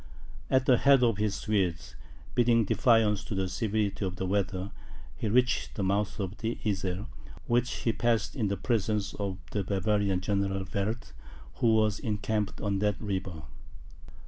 At the head of his Swedes, bidding defiance to the severity of the weather, he reached the mouth of the Iser, which he passed in the presence of the Bavarian General Werth, who was encamped on that river.